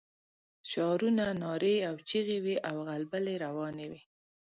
شعارونه، نارې او چيغې وې او غلبلې روانې وې.